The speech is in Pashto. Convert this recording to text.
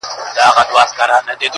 را ایستل یې له قبرونو کفنونه-